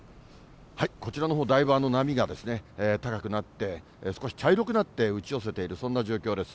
こちらのほう、だいぶ波が高くなって、少し茶色くなって打ち寄せているそんな状況です。